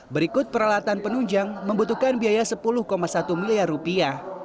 berikut peralatan penunjang membutuhkan biaya sepuluh satu miliar rupiah